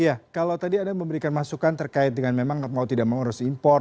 iya kalau tadi anda memberikan masukan terkait dengan memang mau tidak mengurus impor